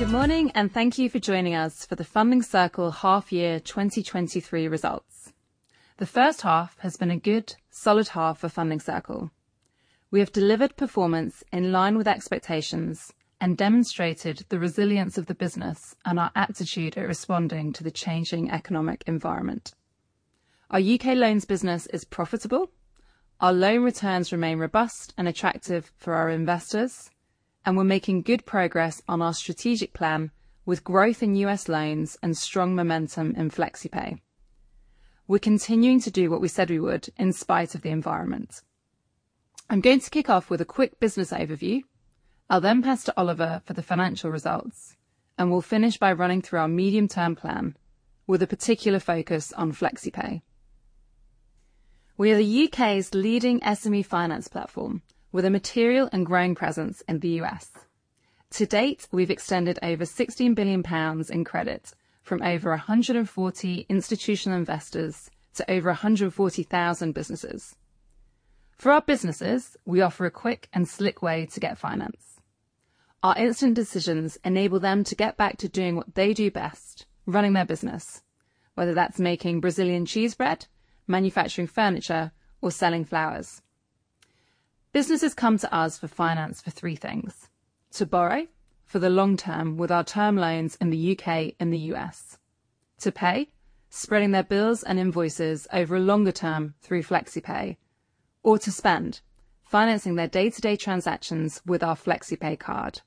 Good morning, and thank you for joining us for the Funding Circle half-year 2023 results. The first half has been a good, solid half for Funding Circle. We have delivered performance in line with expectations and demonstrated the resilience of the business and our aptitude at responding to the changing economic environment. Our U.K. loans business is profitable, our loan returns remain robust and attractive for our investors, and we're making good progress on our strategic plan with growth in U.S. loans and strong momentum in FlexiPay. We're continuing to do what we said we would in spite of the environment. I'm going to kick off with a quick business overview. I'll then pass to Oliver for the financial results, and we'll finish by running through our medium-term plan with a particular focus on FlexiPay. We are the U.K.'s leading SME finance platform, with a material and growing presence in the U.S. To date, we've extended over 16 billion pounds in credit from over 140 institutional investors to over 140,000 businesses. For our businesses, we offer a quick and slick way to get finance. Our instant decisions enable them to get back to doing what they do best, running their business, whether that's making Brazilian cheese bread, manufacturing furniture, or selling flowers. Businesses come to us for finance for three things: To borrow for the long term with term loans in the U.K. and the U.S. To pay, spreading their bills and invoices over a longer term through FlexiPay, or to spend, financing their day-to-day transactions with our FlexiPay card.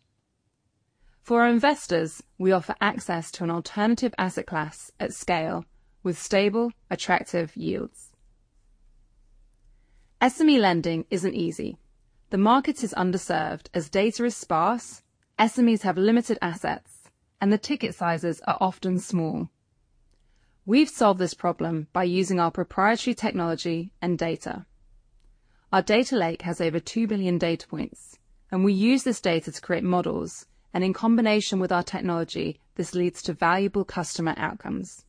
For our investors, we offer access to an alternative asset class at scale with stable, attractive yields. SME lending isn't easy. The market is underserved as data is sparse, SMEs have limited assets, and the ticket sizes are often small. We've solved this problem by using our proprietary technology and data. Our data lake has over 2,000,000,000 data points, and we use this data to create models, and in combination with our technology, this leads to valuable customer outcomes.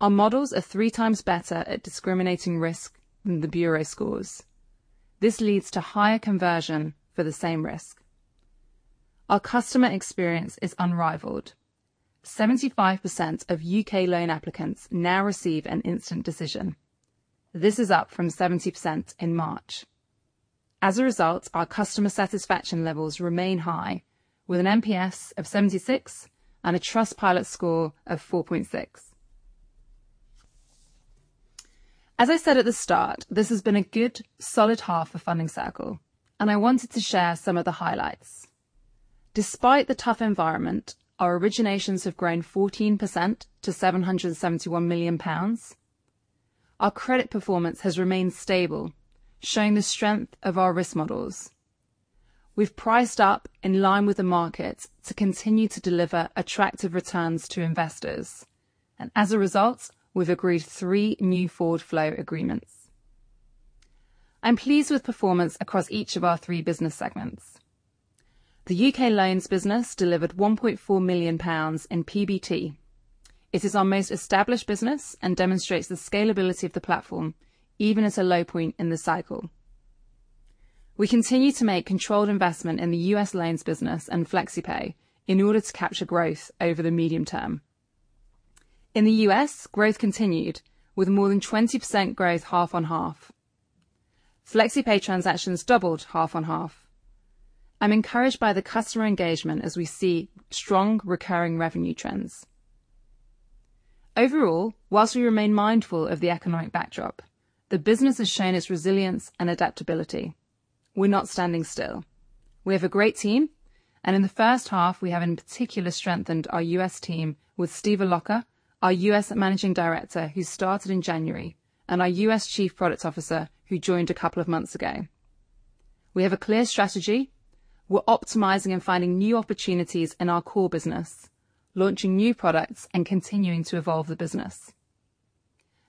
Our models are 3x better at discriminating risk than the bureau scores. This leads to higher conversion for the same risk. Our customer experience is unrivaled. 75% of U.K. loan applicants now receive an instant decision. This is up from 70% in March. As a result, our customer satisfaction levels remain high, with an NPS of 76 and a Trustpilot score of 4.6. As I said at the start, this has been a good, solid half for Funding Circle, and I wanted to share some of the highlights. Despite the tough environment, our originations have grown 14% to GBP 771 million. Our credit performance has remained stable, showing the strength of our risk models. We've priced up in line with the market to continue to deliver attractive returns to investors, and as a result, we've agreed three new forward flow agreements. I'm pleased with performance across each of our three business segments. The U.K. loans business delivered 1.4 million pounds in PBT. It is our most established business and demonstrates the scalability of the platform, even at a low point in the cycle. We continue to make controlled investment in the U.S. loans business and FlexiPay in order to capture growth over the medium term. In the U.S., growth continued, with more than 20% growth half on half. FlexiPay transactions doubled half on half. I'm encouraged by the customer engagement as we see strong recurring revenue trends. Overall, while we remain mindful of the economic backdrop, the business has shown its resilience and adaptability. We're not standing still. We have a great team, and in the first half, we have in particular strengthened our U.S. team with Steve Allocca, our US Managing Director, who started in January, and our U.S. Chief Product Officer, who joined a couple of months ago. We have a clear strategy. We're optimizing and finding new opportunities in our core business, launching new products and continuing to evolve the business.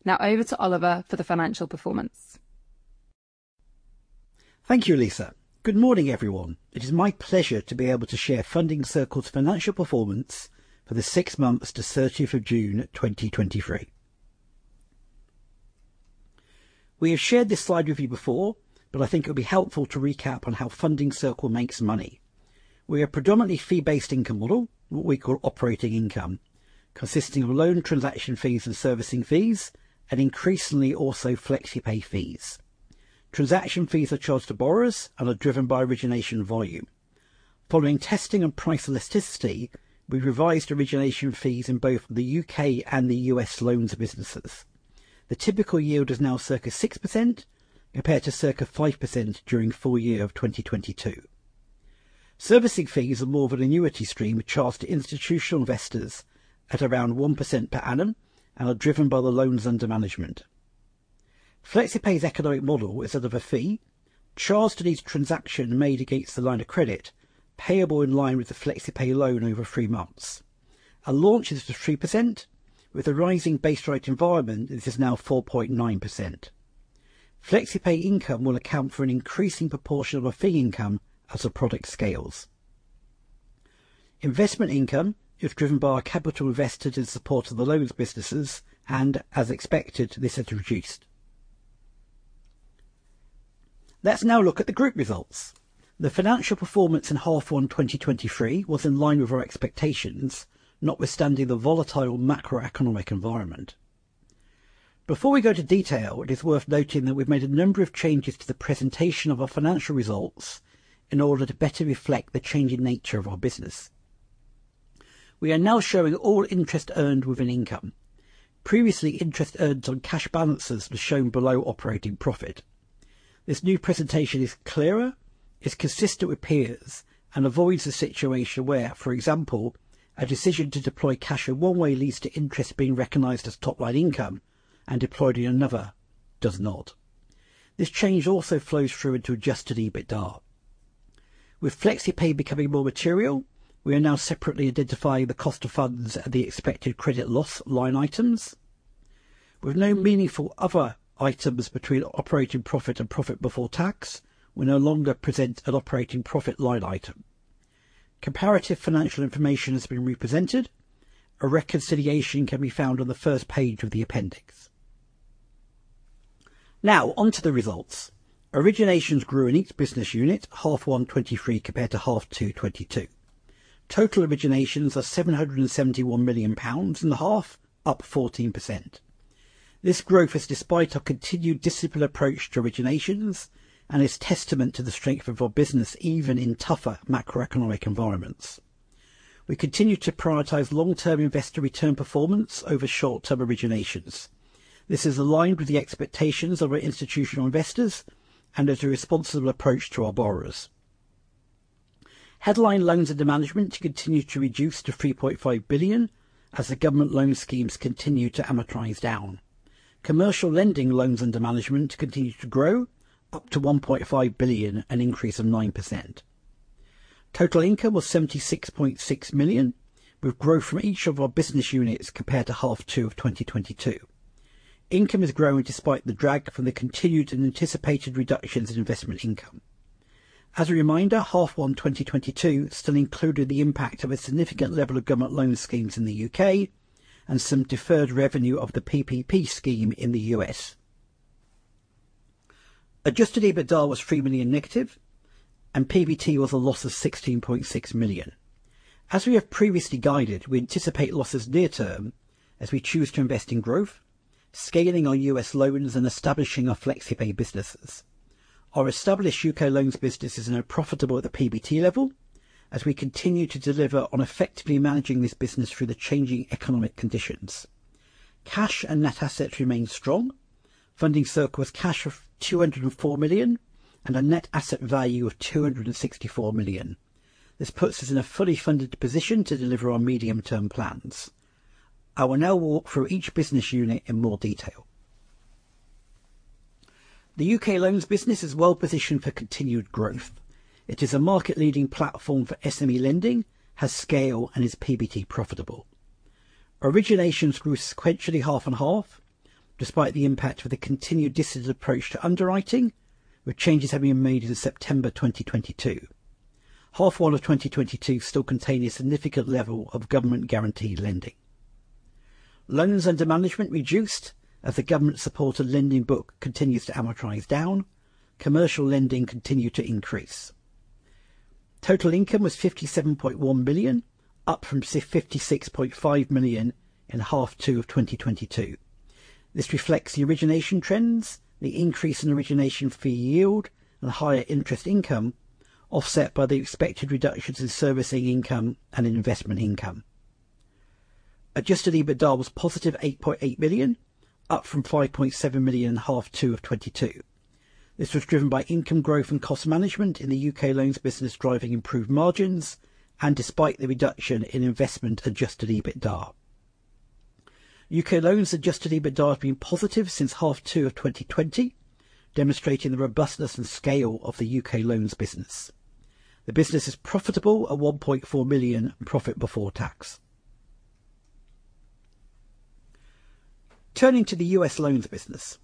Now over to Oliver for the financial performance. Thank you, Lisa. Good morning, everyone. It is my pleasure to be able to share Funding Circle's financial performance for the six months to 30th June 2023. We have shared this slide with you before, but I think it would be helpful to recap on how Funding Circle makes money. We are predominantly a fee-based income model, what we call operating income, consisting of loan transaction fees and servicing fees, and increasingly also FlexiPay fees. Transaction fees are charged to borrowers and are driven by origination volume. Following testing and price elasticity, we revised origination fees in both the U.K. and the U.S. loans businesses. The typical yield is now circa 6%, compared to circa 5% during full year of 2022. Servicing fees are more of an annuity stream charged to institutional investors at around 1% per annum and are driven by the loans under management. FlexiPay's economic model is out of a fee, charged to each transaction made against the line of credit, payable in line with the FlexiPay loan over three months. At launch, it was 3%. With a rising base rate environment, this is now 4.9%. FlexiPay income will account for an increasing proportion of our fee income as the product scales. Investment income is driven by our capital invested in support of the loans businesses, and as expected, this has reduced. Let's now look at the group results. The financial performance in H1 2023 was in line with our expectations, notwithstanding the volatile macroeconomic environment. Before we go to detail, it is worth noting that we've made a number of changes to the presentation of our financial results in order to better reflect the changing nature of our business. We are now showing all interest earned within income. Previously, interest earned on cash balances was shown below operating profit. This new presentation is clearer, is consistent with peers, and avoids a situation where, for example, a decision to deploy cash in one way leads to interest being recognized as top-line income and deployed in another does not. This change also flows through into adjusted EBITDA. With FlexiPay becoming more material, we are now separately identifying the cost of funds at the expected credit loss line items. With no meaningful other items between operating profit and profit before tax, we no longer present an operating profit line item. Comparative financial information has been represented. A reconciliation can be found on the first page of the appendix. Now, on to the results. Originations grew in each business unit, H1 2023 compared to H2 2022. Total originations are 771 million pounds in the half, up 14%. This growth is despite our continued disciplined approach to originations and is testament to the strength of our business, even in tougher macroeconomic environments. We continue to prioritize long-term investor return performance over short-term originations. This is aligned with the expectations of our institutional investors and is a responsible approach to our borrowers. Headline loans under management continue to reduce to 3.5 billion as the government loan schemes continue to amortize down. Commercial lending loans under management continue to grow, up to 1.5 billion, an increase of 9%. Total income was 76.6 million, with growth from each of our business units compared to H2 2022. Income is growing despite the drag from the continued and anticipated reductions in investment income. As a reminder, H1 2022 still included the impact of a significant level of government loan schemes in the UK and some deferred revenue of the PPP scheme in the U.S. Adjusted EBITDA was -3 million, and PBT was a loss of 16.6 million. As we have previously guided, we anticipate losses near term as we choose to invest in growth, scaling our U.S. loans, and establishing our FlexiPay businesses. Our established U.K. loans business is now profitable at the PBT level as we continue to deliver on effectively managing this business through the changing economic conditions. Cash and net assets remain strong. Funding Circle has cash of 204 million and a net asset value of 264 million. This puts us in a fully funded position to deliver on medium-term plans. I will now walk through each business unit in more detail. The U.K. loans business is well positioned for continued growth. It is a market-leading platform for SME lending, has scale, and is PBT profitable. Originations grew sequentially half and half, despite the impact of the continued distance approach to underwriting, with changes having been made in September 2022. Half one of 2022 still contained a significant level of government-guaranteed lending. Loans under management reduced as the government-supported lending book continues to amortize down. Commercial lending continued to increase. Total income was 57.1 million, up from 56.5 million in half two of 2022. This reflects the origination trends, the increase in origination fee yield, and higher interest income, offset by the expected reductions in servicing income and investment income. Adjusted EBITDA was positive 8.8 million, up from 5.7 million in H2 2022. This was driven by income growth and cost management in the U.K. loans business, driving improved margins and despite the reduction in investment adjusted EBITDA. U.K. loans adjusted EBITDA has been positive since H2 2020, demonstrating the robustness and scale of the U.K. loans business. The business is profitable at 1.4 million profit before tax. Turning to the U.S. loans business.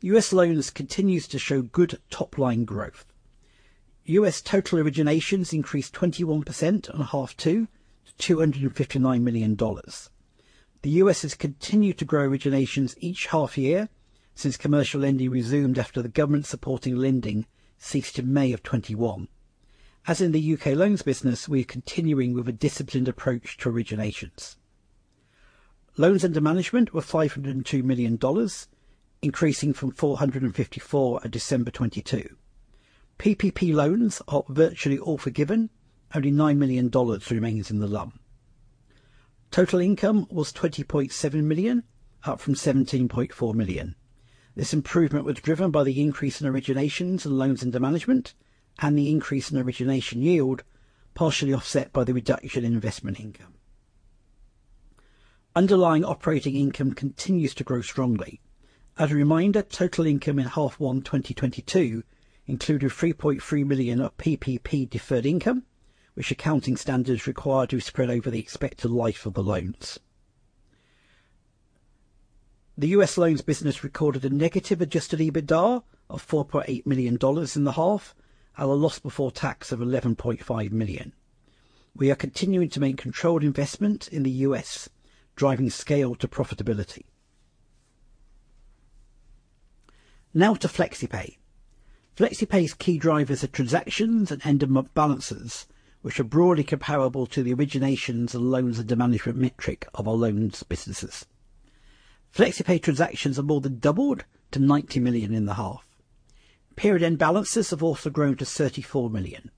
U.S. loans continues to show good top-line growth. U.S. total originations increased 21% on H2 to $259 million. The U.S. has continued to grow originations each half year since commercial lending resumed after the government supporting lending ceased in May 2021. As in the U.K. loans business, we are continuing with a disciplined approach to originations. Loans under management were $502 million, increasing from $454 million at December 2022. PPP loans are virtually all forgiven. Only $9 million remains in the LUM. Total income was $20.7 million, up from $17.4 million. This improvement was driven by the increase in originations and loans under management and the increase in origination yield, partially offset by the reduction in investment income. Underlying operating income continues to grow strongly. As a reminder, total income in H1 2022 included 3.3 million of PPP deferred income, which accounting standards require to spread over the expected life of the loans. The U.S. loans business recorded a negative adjusted EBITDA of $4.8 million in the half, and a loss before tax of $11.5 million. We are continuing to make controlled investment in the U.S., driving scale to profitability. Now to FlexiPay. FlexiPay's key drivers are transactions and end-of-month balances, which are broadly comparable to the originations and loans under management metric of our loans businesses. FlexiPay transactions have more than doubled to 90,000,000 in the half. Period end balances have also grown to 34 million.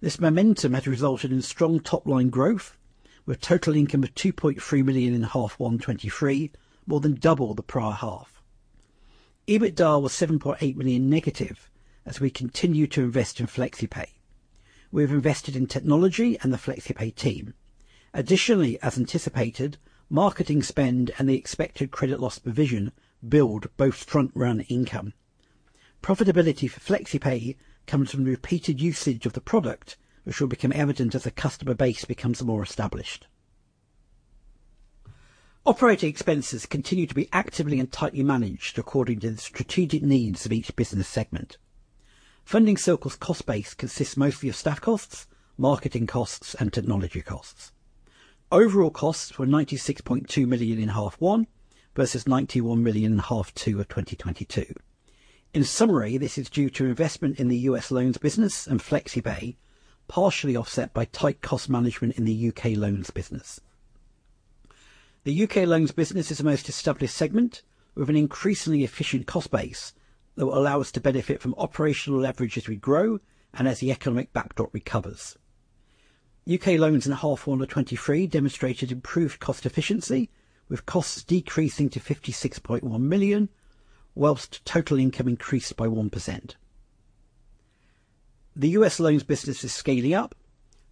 This momentum has resulted in strong top line growth, with total income of 2.3 million in H1 2023, more than double the prior half. EBITDA was -7.8 million as we continue to invest in FlexiPay. We've invested in technology and the FlexiPay team. Additionally, as anticipated, marketing spend and the expected credit loss provision build both front run income. Profitability for FlexiPay comes from repeated usage of the product, which will become evident as the customer base becomes more established. Operating expenses continue to be actively and tightly managed according to the strategic needs of each business segment. Funding Circle's cost base consists mostly of staff costs, marketing costs, and technology costs. Overall costs were 96.2 million in half one, versus 91 million in half two of 2022. In summary, this is due to investment in the U.S. loans business and FlexiPay, partially offset by tight cost management in the U.K. loans business. The U.K. loans business is the most established segment, with an increasingly efficient cost base that will allow us to benefit from operational leverage as we grow and as the economic backdrop recovers. U.K. loans in H1 2023 demonstrated improved cost efficiency, with costs decreasing to 56.1 million, while total income increased by 1%. The U.S. loans business is scaling up.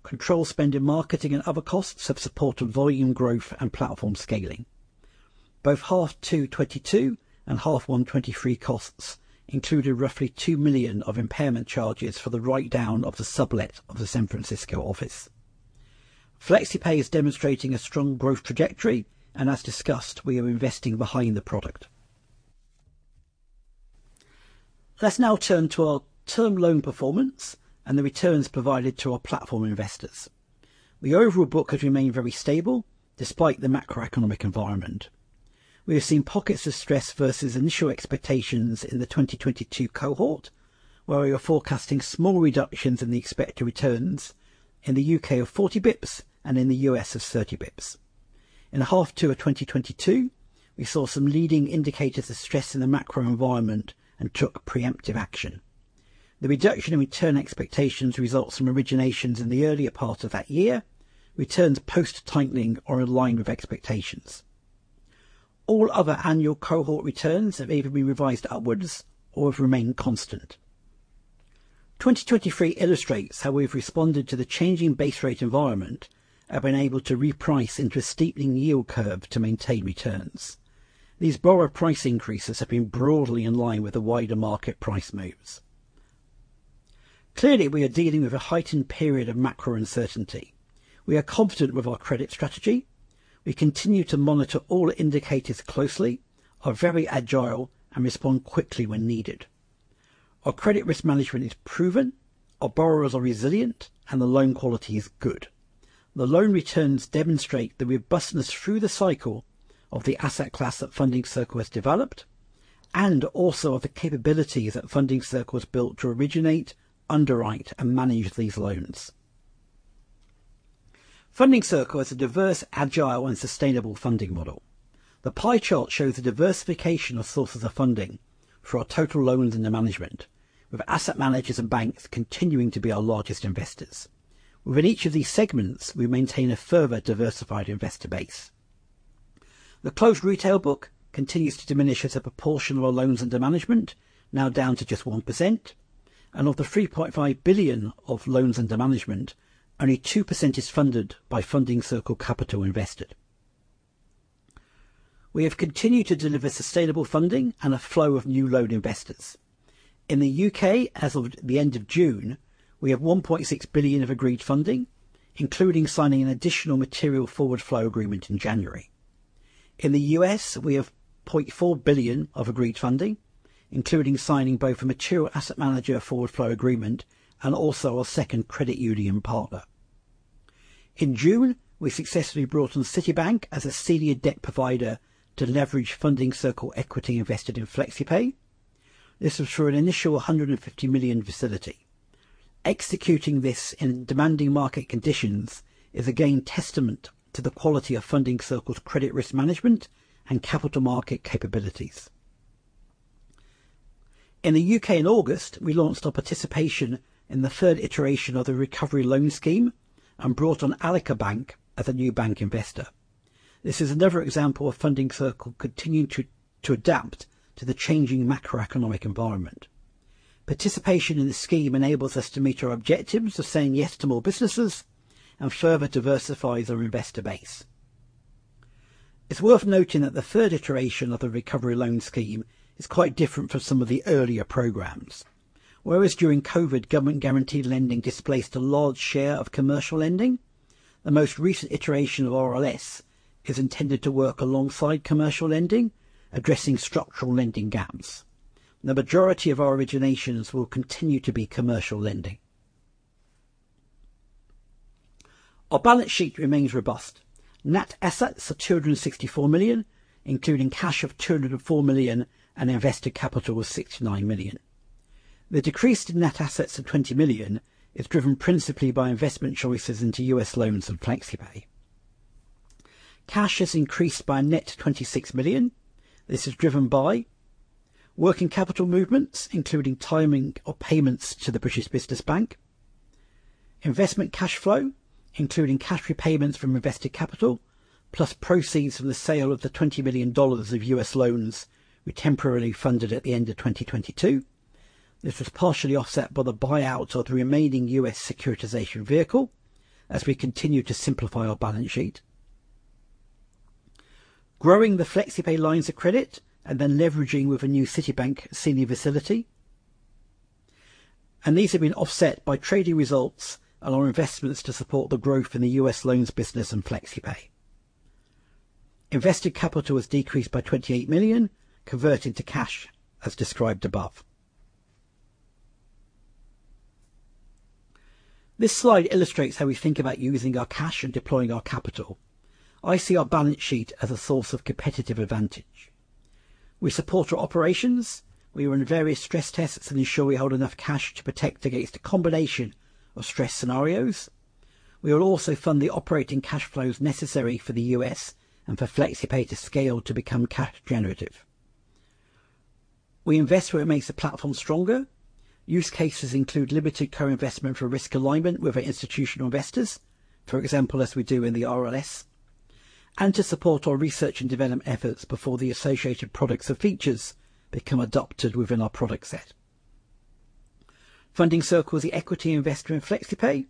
Controlled spend in marketing and other costs have supported volume growth and platform scaling. Both H2 2022 and H1 2023 costs included roughly 2 million of impairment charges for the write-down of the sublet of the San Francisco office. FlexiPay is demonstrating a strong growth trajectory, and as discussed, we are investing behind the product. Let's now turn to our term loan performance and the returns provided to our platform investors. The overall book has remained very stable despite the macroeconomic environment. We have seen pockets of stress versus initial expectations in the 2022 cohort, where we are forecasting small reductions in the expected returns in the U.K. of 40 bips and in the U.S. of 30 bips. In H2 of 2022, we saw some leading indicators of stress in the macro environment and took preemptive action. The reduction in return expectations results from originations in the earlier part of that year. Returns post-tightening are in line with expectations. All other annual cohort returns have either been revised upwards or have remained constant. 2023 illustrates how we've responded to the changing base rate environment and been able to reprice into a steepening yield curve to maintain returns. These borrower price increases have been broadly in line with the wider market price moves. Clearly, we are dealing with a heightened period of macro uncertainty. We are confident with our credit strategy. We continue to monitor all indicators closely, are very agile, and respond quickly when needed. Our credit risk management is proven, our borrowers are resilient, and the loan quality is good. The loan returns demonstrate the robustness through the cycle of the asset class that Funding Circle has developed, and also of the capabilities that Funding Circle has built to originate, underwrite, and manage these loans. Funding Circle has a diverse, agile, and sustainable funding model. The pie chart shows a diversification of sources of funding for our total loans under management, with asset managers and banks continuing to be our largest investors. Within each of these segments, we maintain a further diversified investor base. The closed retail book continues to diminish as a proportion of our loans under management, now down to just 1%, and of the 3.5 billion of loans under management, only 2% is funded by Funding Circle capital invested. We have continued to deliver sustainable funding and a flow of new loan investors. In the U.K., as of the end of June, we have 1.6 billion of agreed funding, including signing an additional material forward flow agreement in January. In the U.S., we have 0.4 billion of agreed funding, including signing both a material asset manager forward flow agreement and also our second credit union partner. In June, we successfully brought on Citibank as a senior debt provider to leverage Funding Circle equity invested in FlexiPay. This was for an initial 150 million facility. Executing this in demanding market conditions is again testament to the quality of Funding Circle's credit risk management and capital market capabilities. In the U.K. in August, we launched our participation in the third iteration of the Recovery Loan Scheme and brought on Allica Bank as a new bank investor. This is another example of Funding Circle continuing to adapt to the changing macroeconomic environment. Participation in the scheme enables us to meet our objectives of saying yes to more businesses and further diversifies our investor base. It's worth noting that the third iteration of the Recovery Loan Scheme is quite different from some of the earlier programs. Whereas during COVID, government-guaranteed lending displaced a large share of commercial lending, the most recent iteration of RLS is intended to work alongside commercial lending, addressing structural lending gaps... the majority of our originations will continue to be commercial lending. Our balance sheet remains robust. Net assets are 264 million, including cash of 204 million and invested capital was 69 million. The decrease in net assets of 20 million is driven principally by investment choices into US loans and FlexiPay. Cash has increased by a net 26 million. This is driven by working capital movements, including timing of payments to the British Business Bank, investment cash flow, including cash repayments from invested capital, plus proceeds from the sale of the $20 million of U.S. loans we temporarily funded at the end of 2022. This was partially offset by the buyout of the remaining U.S. securitization vehicle as we continue to simplify our balance sheet. Growing the FlexiPay lines of credit, and then leveraging with a new Citibank senior facility, and these have been offset by trading results and our investments to support the growth in the U.S. loans business and FlexiPay. Invested capital was decreased by 28 million, converted to cash, as described above. This slide illustrates how we think about using our cash and deploying our capital. I see our balance sheet as a source of competitive advantage. We support our operations. We run various stress tests and ensure we hold enough cash to protect against a combination of stress scenarios. We will also fund the operating cash flows necessary for the U.S. and for FlexiPay to scale to become cash generative. We invest where it makes the platform stronger. Use cases include limited co-investment for risk alignment with our institutional investors, for example, as we do in the RLS, and to support our research and development efforts before the associated products or features become adopted within our product set. Funding Circle is the equity investor in FlexiPay.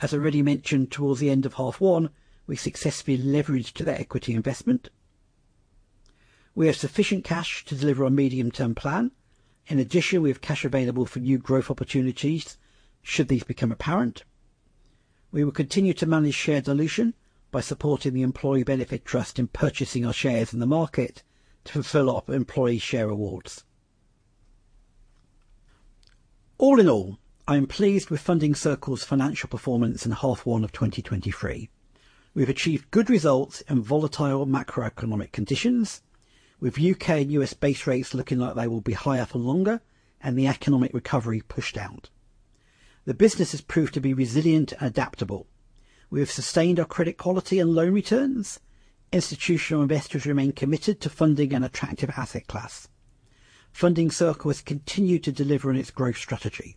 As already mentioned, towards the end of half one, we successfully leveraged to that equity investment. We have sufficient cash to deliver our medium-term plan. In addition, we have cash available for new growth opportunities should these become apparent. We will continue to manage share dilution by supporting the employee benefit trust in purchasing our shares in the market to fulfill our employee share awards. All in all, I am pleased with Funding Circle's financial performance in half one of 2023. We've achieved good results in volatile macroeconomic conditions, with U.K. and U.S. base rates looking like they will be higher for longer and the economic recovery pushed out. The business has proved to be resilient and adaptable. We have sustained our credit quality and loan returns. Institutional investors remain committed to funding an attractive asset class. Funding Circle has continued to deliver on its growth strategy.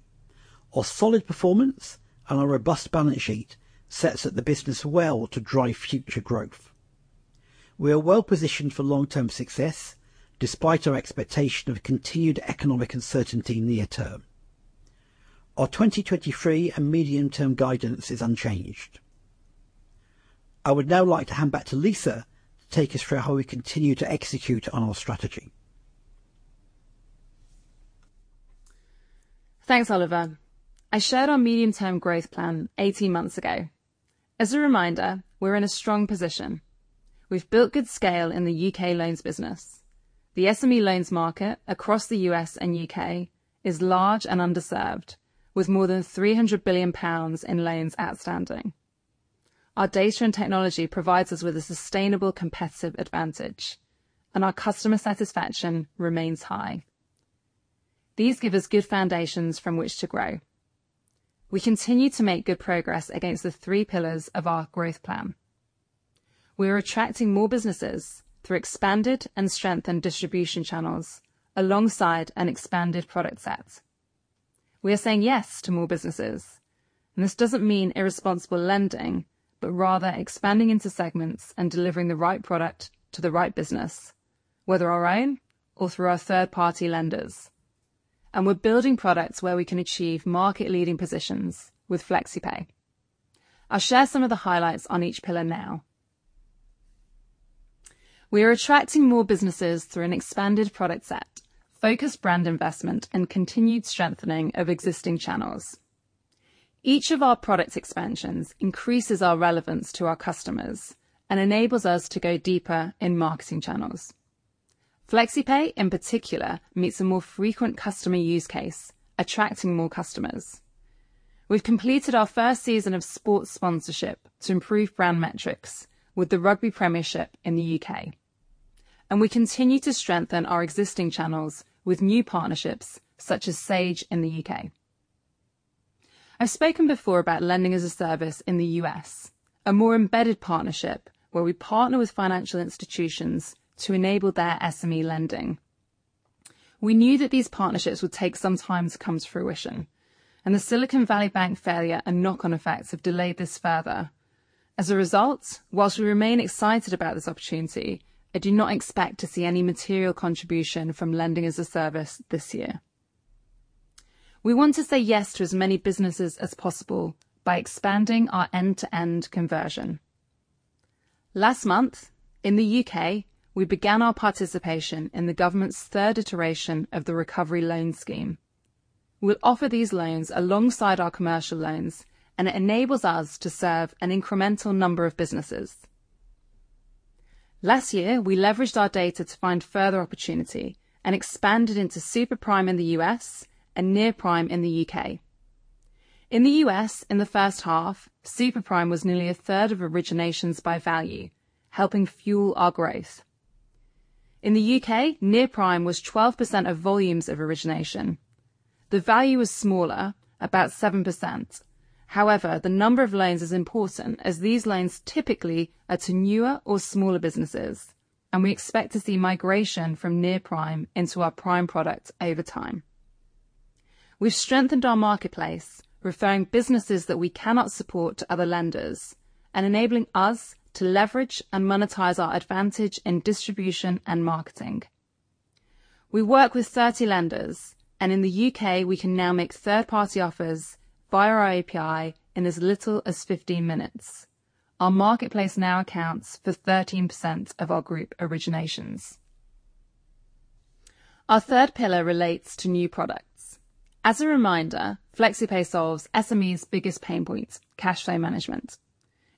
Our solid performance and our robust balance sheet sets up the business well to drive future growth. We are well positioned for long-term success, despite our expectation of continued economic uncertainty near term. Our 2023 and medium-term guidance is unchanged. I would now like to hand back to Lisa to take us through how we continue to execute on our strategy. Thanks, Oliver. I shared our medium-term growth plan 18 months ago. As a reminder, we're in a strong position. We've built good scale in the U.K. loans business. The SME loans market across the U.S. and U.K. is large and underserved, with more than 300 billion pounds in loans outstanding. Our data and technology provides us with a sustainable competitive advantage, and our customer satisfaction remains high. These give us good foundations from which to grow. We continue to make good progress against the three pillars of our growth plan. We are attracting more businesses through expanded and strengthened distribution channels, alongside an expanded product set. We are saying yes to more businesses, and this doesn't mean irresponsible lending, but rather expanding into segments and delivering the right product to the right business, whether our own or through our third-party lenders. We're building products where we can achieve market-leading positions with FlexiPay. I'll share some of the highlights on each pillar now. We are attracting more businesses through an expanded product set, focused brand investment, and continued strengthening of existing channels. Each of our product expansions increases our relevance to our customers and enables us to go deeper in marketing channels. FlexiPay, in particular, meets a more frequent customer use case, attracting more customers. We've completed our first season of sports sponsorship to improve brand metrics with the Rugby Premiership in the U.K., and we continue to strengthen our existing channels with new partnerships, such as Sage in the U.K. I've spoken before about lending as a service in the US, a more embedded partnership where we partner with financial institutions to enable their SME lending. We knew that these partnerships would take some time to come to fruition, and the Silicon Valley Bank failure and knock-on effects have delayed this further. As a result, while we remain excited about this opportunity, I do not expect to see any material contribution from Lending as a Service this year. We want to say yes to as many businesses as possible by expanding our end-to-end conversion. Last month, in the U.K., we began our participation in the government's third iteration of the Recovery Loan Scheme. We'll offer these loans alongside our commercial loans, and it enables us to serve an incremental number of businesses. Last year, we leveraged our data to find further opportunity and expanded into super prime in the U.S. and near prime in the U.K. In the U.S., in the first half, super prime was nearly a third of originations by value, helping fuel our growth. In the U.K., near prime was 12% of volumes of origination. The value was smaller, about 7%. However, the number of loans is important, as these loans typically are to newer or smaller businesses, and we expect to see migration from near prime into our prime products over time. We've strengthened our marketplace, referring businesses that we cannot support to other lenders and enabling us to leverage and monetize our advantage in distribution and marketing. We work with 30 lenders, and in the U.K., we can now make third-party offers via our API in as little as 15 minutes. Our marketplace now accounts for 13% of our group originations. Our third pillar relates to new products. As a reminder, FlexiPay solves SME's biggest pain points, cash flow management.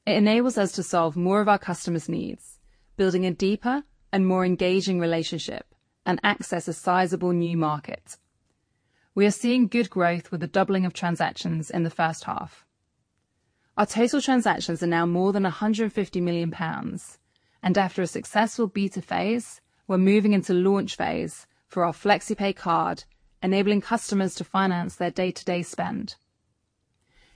It enables us to solve more of our customers' needs, building a deeper and more engaging relationship and access a sizable new market. We are seeing good growth with the doubling of transactions in the first half. Our total transactions are now more than 150 million pounds, and after a successful beta phase, we're moving into launch phase for our FlexiPay card, enabling customers to finance their day-to-day spend.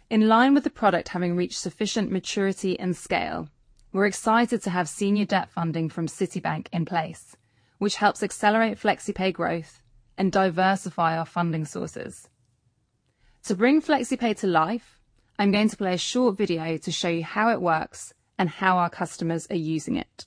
In line with the product having reached sufficient maturity and scale, we're excited to have senior debt funding from Citibank in place, which helps accelerate FlexiPay growth and diversify our funding sources. To bring FlexiPay to life, I'm going to play a short video to show you how it works and how our customers are using it.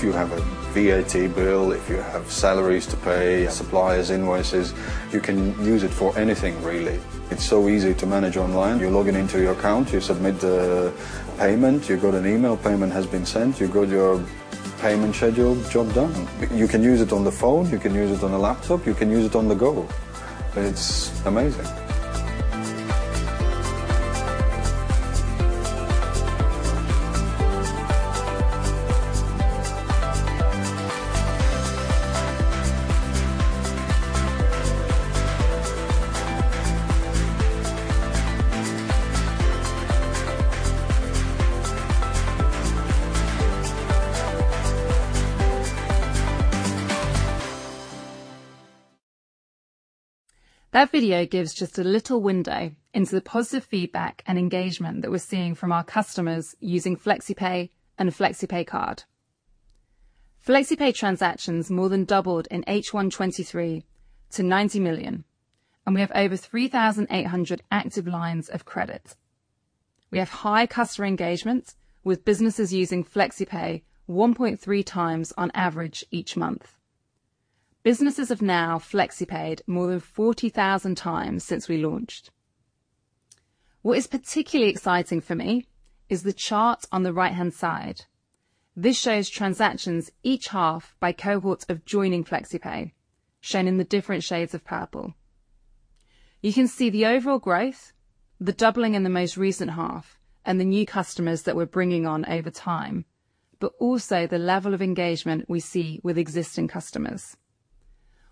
If you have a VAT bill, if you have salaries to pay, suppliers, invoices, you can use it for anything, really. It's so easy to manage online. You log into your account, you submit the payment, you got an email, "Payment has been sent." You got your payment schedule. Job done. You can use it on the phone, you can use it on a laptop, you can use it on the go. It's amazing. That video gives just a little window into the positive feedback and engagement that we're seeing from our customers using FlexiPay and FlexiPay Card. FlexiPay transactions more than doubled in H1 2023 to 90 million, and we have over 3,800 active lines of credit. We have high customer engagement, with businesses using FlexiPay 1.3x on average each month. Businesses have now FlexiPaid more than 40,000x since we launched. What is particularly exciting for me is the chart on the right-hand side. This shows transactions each half by cohort of joining FlexiPay, shown in the different shades of purple. You can see the overall growth, the doubling in the most recent half, and the new customers that we're bringing on over time, but also the level of engagement we see with existing customers.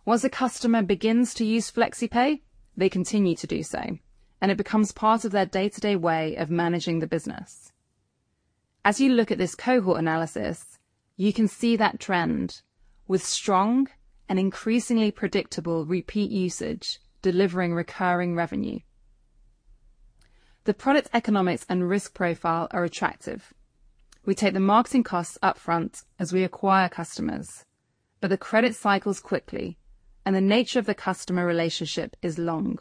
Once a customer begins to use FlexiPay, they continue to do so, and it becomes part of their day-to-day way of managing the business. As you look at this cohort analysis, you can see that trend with strong and increasingly predictable repeat usage, delivering recurring revenue. The product economics and risk profile are attractive. We take the marketing costs up front as we acquire customers, but the credit cycles quickly, and the nature of the customer relationship is long.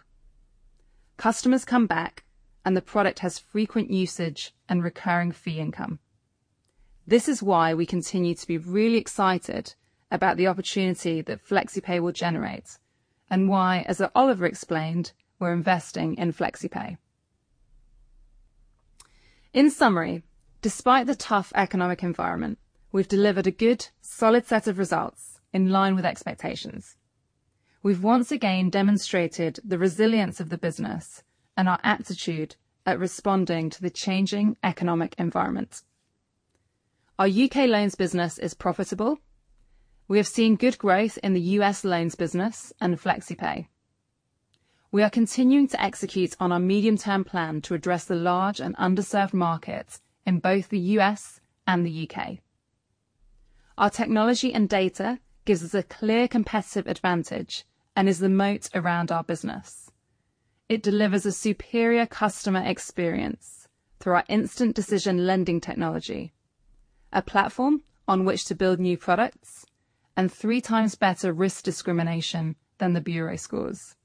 Customers come back, and the product has frequent usage and recurring fee income. This is why we continue to be really excited about the opportunity that FlexiPay will generate and why, as Oliver explained, we're investing in FlexiPay. In summary, despite the tough economic environment, we've delivered a good, solid set of results in line with expectations. We've once again demonstrated the resilience of the business and our aptitude at responding to the changing economic environment. Our U.K. loans business is profitable. We have seen good growth in the U.S. loans business and FlexiPay. We are continuing to execute on our medium-term plan to address the large and underserved market in both the U.S. and the U.K. Our technology and data gives us a clear competitive advantage and is the moat around our business. It delivers a superior customer experience through our instant decision lending technology, a platform on which to build new products, and three times better risk discrimination than the bureau scores.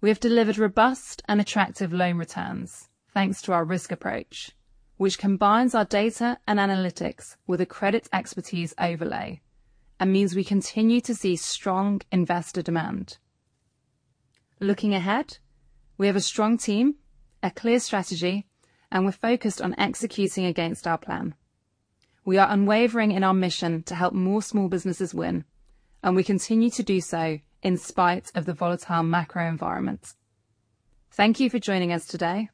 We have delivered robust and attractive loan returns, thanks to our risk approach, which combines our data and analytics with a credit expertise overlay, and means we continue to see strong investor demand. Looking ahead, we have a strong team, a clear strategy, and we're focused on executing against our plan. We are unwavering in our mission to help more small businesses win, and we continue to do so in spite of the volatile macro environment. Thank you for joining us today.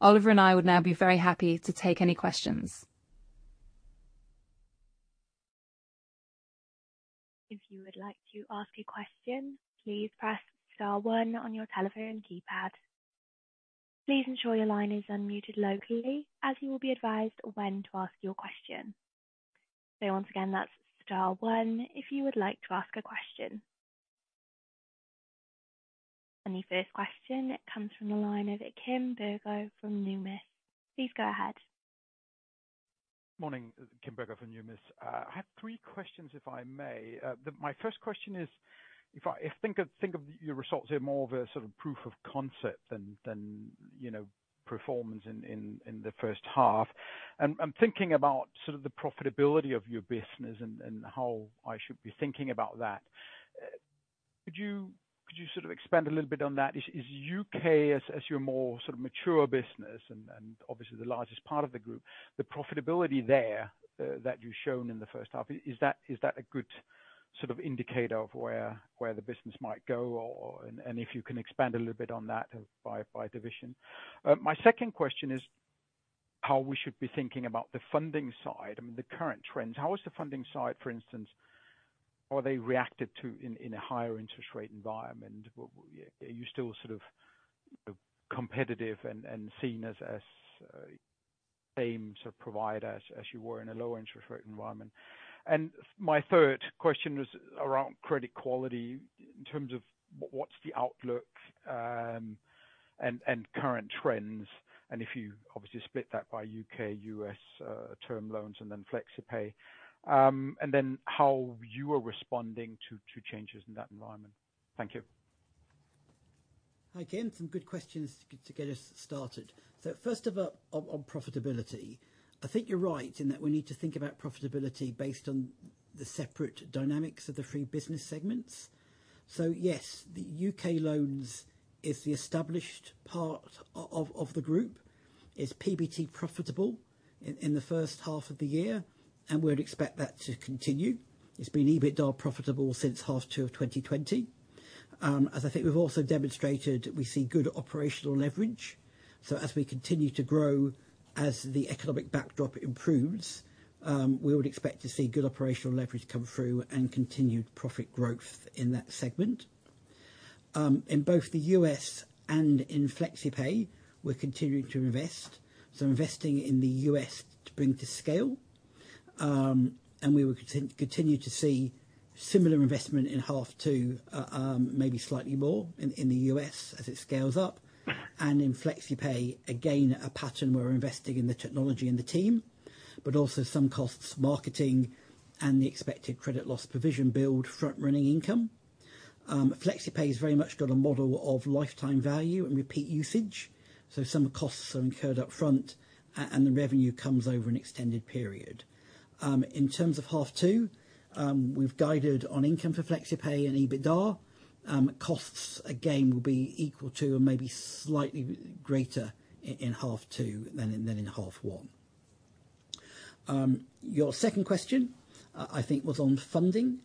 Oliver and I would now be very happy to take any questions. If you would like to ask a question, please press star one on your telephone keypad. Please ensure your line is unmuted locally, as you will be advised when to ask your question. So once again, that's star one, if you would like to ask a question. The first question comes from the line of Kim Bergo from Numis. Please go ahead. Morning. Kim Bergo from Numis. I have three questions, if I may. My first question is, if I think of your results here, more of a sort of proof of concept than, you know, performance in the first half. I'm thinking about sort of the profitability of your business and how I should be thinking about that. Could you sort of expand a little bit on that? Is U.K. as your more sort of mature business and obviously the largest part of the group, the profitability there that you've shown in the first half, is that a good sort of indicator of where the business might go? Or... and if you can expand a little bit on that by division. My second question is how we should be thinking about the funding side and the current trends. How is the funding side, for instance, how they reacted to in a higher interest rate environment? Are you still sort of competitive and seen as same sort of provider as you were in a lower interest rate environment? And my third question was around credit quality in terms of what's the outlook and current trends, and if you obviously split that by U.K., term loans, and then FlexiPay. And then how you are responding to changes in that environment. Thank you. Hi, Kim. Some good questions to get us started. So first of all, on profitability, I think you're right in that we need to think about profitability based on the separate dynamics of the three business segments. So yes, the U.K. loans is the established part of the group. It's PBT profitable in the first half of the year, and we'd expect that to continue. It's been EBITDA profitable since half two of 2020. As I think we've also demonstrated, we see good operational leverage. So as we continue to grow, as the economic backdrop improves, we would expect to see good operational leverage come through and continued profit growth in that segment. In both the U.S. and in FlexiPay, we're continuing to invest. So investing in the U.S. to bring to scale, and we will continue to see similar investment in half two, maybe slightly more in the U.S. as it scales up. And in FlexiPay, again, a pattern where we're investing in the technology and the team, but also some costs, marketing and the expected credit loss provision build front-running income. FlexiPay is very much got a model of lifetime value and repeat usage, so some costs are incurred up front, and the revenue comes over an extended period. In terms of half two, we've guided on income for FlexiPay and EBITDA. Costs again, will be equal to or maybe slightly greater in half two than in half one. Your second question, I think was on funding.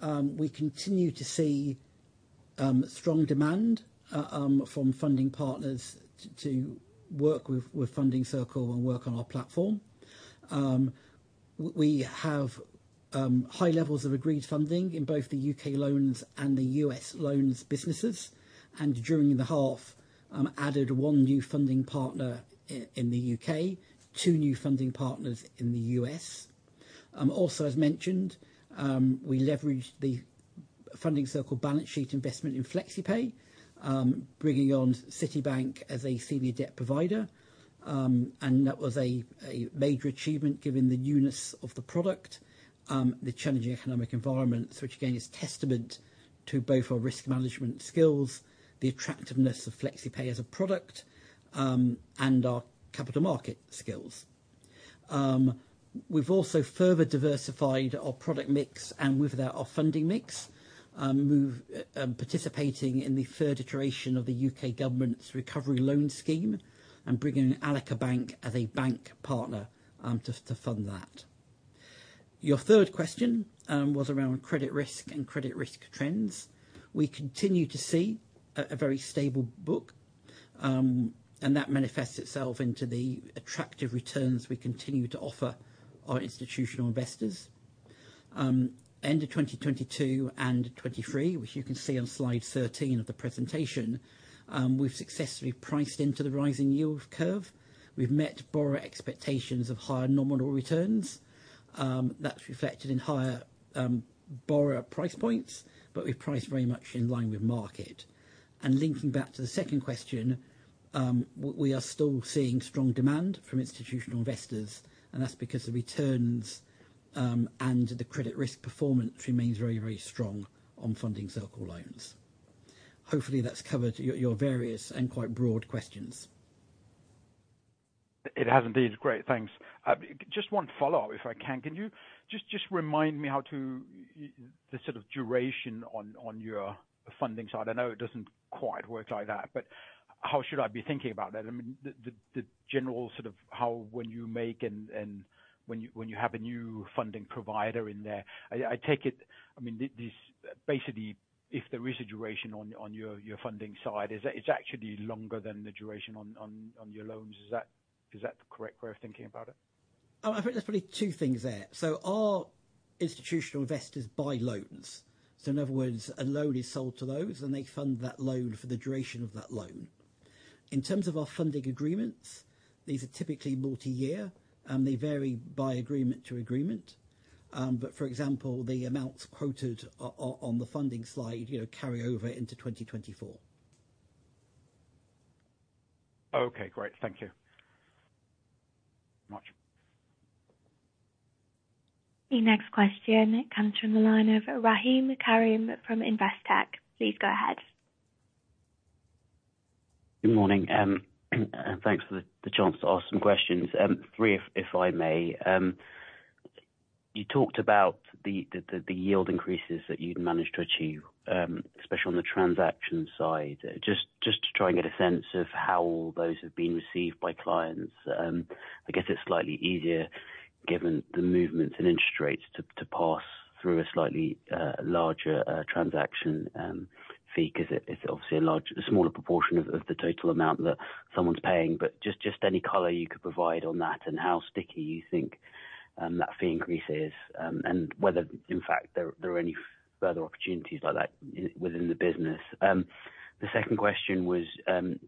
We continue to see strong demand from funding partners to work with Funding Circle and work on our platform. We have high levels of agreed funding in both the U.K. loans and the U.S. loans businesses, and during the half added one new funding partner in the U.K., two new funding partners in the U.S. Also, as mentioned, we leveraged the Funding Circle balance sheet investment in FlexiPay, bringing on Citibank as a senior debt provider. And that was a major achievement given the newness of the product, the challenging economic environment. So which again is testament to both our risk management skills, the attractiveness of FlexiPay as a product, and our capital market skills. We've also further diversified our product mix and with that, our funding mix, participating in the third iteration of the U.K. government's Recovery Loan Scheme and bringing in Allica Bank as a bank partner to fund that. Your third question was around credit risk and credit risk trends. We continue to see a very stable book, and that manifests itself into the attractive returns we continue to offer our institutional investors. End of 2022 and 2023, which you can see on slide 13 of the presentation, we've successfully priced into the rising yield curve. We've met borrower expectations of higher nominal returns. That's reflected in higher borrower price points, but we've priced very much in line with market. Linking back to the second question, we are still seeing strong demand from institutional investors, and that's because the returns and the credit risk performance remains very, very strong on Funding Circle loans. Hopefully, that's covered your various and quite broad questions. It has indeed. Great, thanks. Just one follow-up, if I can. Can you just remind me how the sort of duration on your funding side? I know it doesn't quite work like that, but how should I be thinking about that? I mean, the general sort of how when you make and when you have a new funding provider in there. I take it... I mean, this basically, if there is a duration on your funding side, is it, it's actually longer than the duration on your loans. Is that the correct way of thinking about it? I think there's probably two things there. So our institutional investors buy loans. So in other words, a loan is sold to those, and they fund that loan for the duration of that loan. In terms of our funding agreements, these are typically multi-year, they vary by agreement to agreement. But for example, the amounts quoted on the funding slide, you know, carry over into 2024. Okay, great. Thank you much. The next question comes from the line of Rahim Karim from Investec. Please go ahead. Good morning, and thanks for the chance to ask some questions, three if I may. You talked about the yield increases that you'd managed to achieve, especially on the transaction side. Just to try and get a sense of how those have been received by clients. I guess it's slightly easier, given the movements in interest rates, to pass through a slightly larger transaction fee, because it's obviously a smaller proportion of the total amount that someone's paying. But just any color you could provide on that, and how sticky you think that fee increase is, and whether, in fact, there are any further opportunities like that within the business. The second question was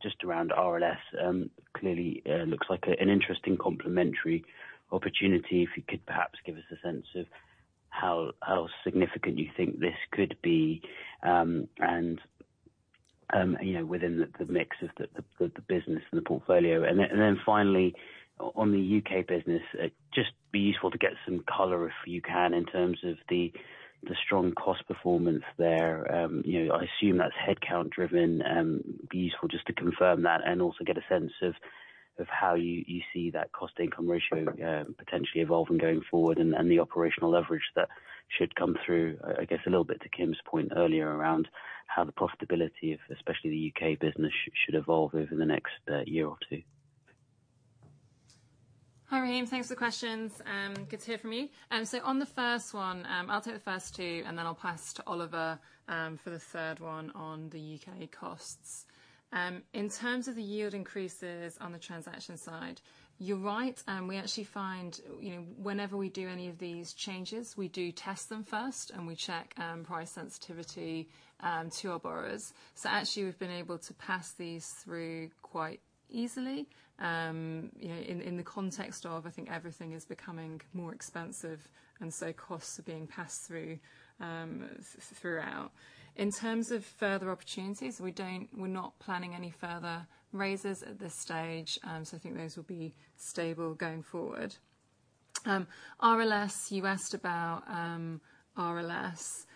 just around RLS. Clearly, looks like an interesting complementary opportunity. If you could perhaps give us a sense of how significant you think this could be, and, you know, within the mix of the business and the portfolio. And then finally, on the U.K. business, just be useful to get some color, if you can, in terms of the strong cost performance there. You know, I assume that's headcount driven, be useful just to confirm that and also get a sense of how you see that cost-income ratio, potentially evolving going forward and the operational leverage that should come through. I guess a little bit to Kim's point earlier around how the profitability of, especially the U.K. business, should evolve over the next year or two. Hi, Rahim. Thanks for the questions, good to hear from you. So on the first one, I'll take the first two, and then I'll pass to Oliver, for the third one on the U.K. costs. In terms of the yield increases on the transaction side, you're right, and we actually find, you know, whenever we do any of these changes, we do test them first, and we check, price sensitivity, to our borrowers. So actually, we've been able to pass these through quite easily. You know, in the context of, I think everything is becoming more expensive, and so costs are being passed through, throughout. In terms of further opportunities, we don't, we're not planning any further raises at this stage, so I think those will be stable going forward. RLS, you asked about, RLS.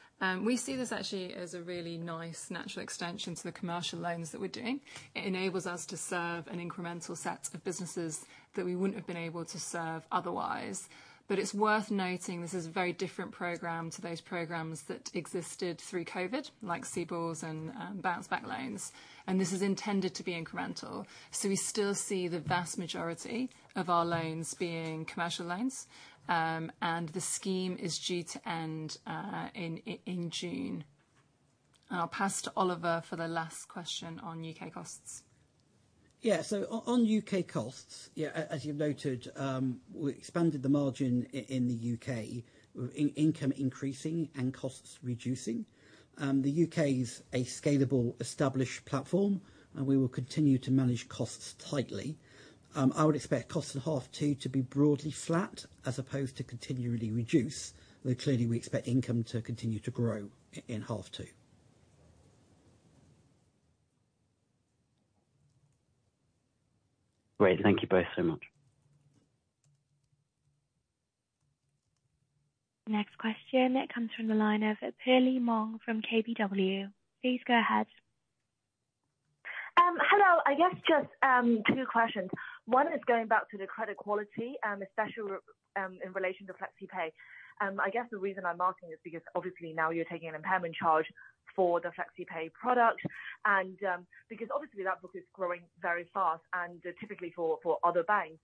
We see this actually as a really nice natural extension to the commercial loans that we're doing. It enables us to serve an incremental set of businesses that we wouldn't have been able to serve otherwise. But it's worth noting this is a very different program to those programs that existed through COVID, like CBILS and Bounce Back Loans, and this is intended to be incremental. So we still see the vast majority of our loans being commercial loans, and the scheme is due to end in June. And I'll pass to Oliver for the last question on U.K. costs. Yeah. So on U.K. costs, yeah, as, as you noted, we expanded the margin in the U.K., income increasing and costs reducing. The U.K. is a scalable, established platform, and we will continue to manage costs tightly. I would expect costs in half two to be broadly flat, as opposed to continually reduce, though clearly, we expect income to continue to grow in half two. Great. Thank you both so much. Next question comes from the line of Perlie Mong from KBW. Please go ahead. I guess just two questions. One is going back to the credit quality, especially, in relation to FlexiPay. I guess the reason I'm asking is because obviously now you're taking an impairment charge for the FlexiPay product, and because obviously that book is growing very fast and typically for other banks,